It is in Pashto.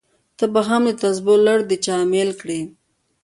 ته به هم دتسبو لړ د چا امېل کړې!